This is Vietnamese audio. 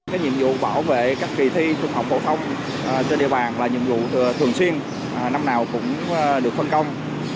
cái nhiệm vụ bảo vệ các kỳ thi trung học phổ thông trên địa bàn là nhiệm vụ thường xuyên năm nào cũng được phân công